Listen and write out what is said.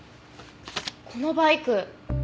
このバイク。